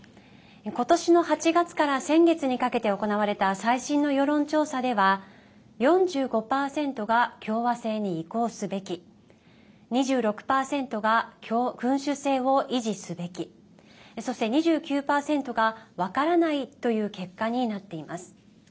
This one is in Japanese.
今年の８月から先月にかけて行われた、最新の世論調査では４５％が共和制に移行すべき２６％が君主制を維持すべきそして２９％が分からないという結果になっています。